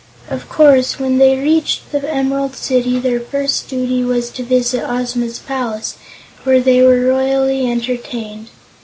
Of course, when they reached the Emerald City their first duty was to visit Ozma's palace, where they were royally entertained.